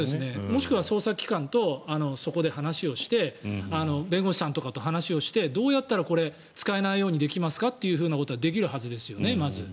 もしくは捜査機関とそこで話をして弁護士さんとかと話をしてどうやったらこれ使えないようにできますかということはできるはずですよね。